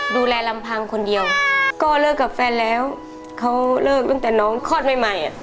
ลำพังคนเดียวก็เลิกกับแฟนแล้วเขาเลิกตั้งแต่น้องคลอดใหม่ใหม่อ่ะ